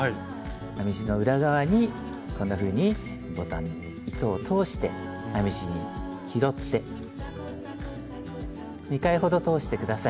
編み地の裏側にこんなふうにボタンに糸を通して編み地に拾って２回ほど通して下さい。